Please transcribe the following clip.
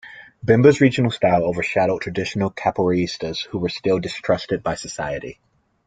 Bimba's Regional style overshadowed traditional capoeiristas, who were still distrusted by society.